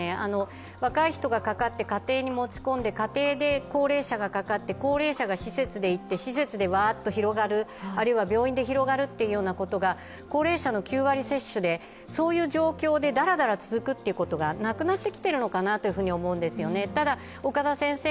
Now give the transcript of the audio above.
若い人がかかって家庭に持ち込んで、家庭で高齢者がかかって高齢者が施設で行って施設で広がる、あるいは病院で広がるというようなことが高齢者の９割接種でだらだら続くことがなくなってきているのかなと思うんですよね。